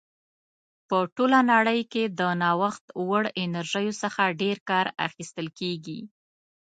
په ټوله نړۍ کې د نوښت وړ انرژیو څخه ډېر کار اخیستل کیږي.